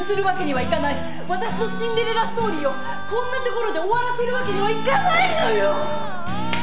私のシンデレラストーリーをこんなところで終わらせるわけにはいかないのよ。